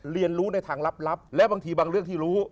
เรียนรู้ในทางลับและบางทีบางเรื่องที่รู้